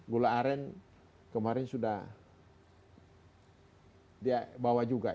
gula aren kemarin sudah di bawah juga